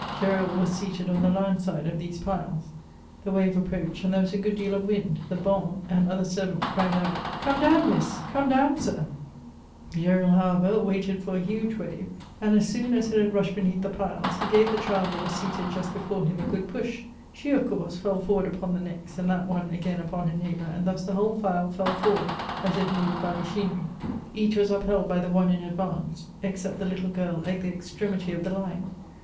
Gesnl was seated on the land side of these piles. The wave approached, and there was a good deal of wind ; the bonnes and other servants cried out, " Come down. Miss !"" Come down, Sir !" Gesril, however, waited for a huge wave ; and, as soon as it had rushed beneath the piles, he gave the child that was seated just before him a good push ; she, of course, fell forward upon the next, and that one again upon her neighbour, and thus the whole file fell forward, as if moved by machinery. Each was upheld by the one in advance, except the little girl at the extremity of the line.